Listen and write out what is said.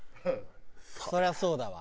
そりゃそうだわ。